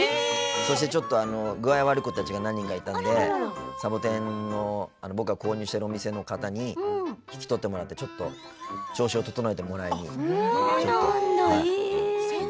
そして、ちょっと具合が悪い子たちが何人かいたので、サボテンを僕が購入してるお店の方に引き取ってもらって調子を整えてもらいに。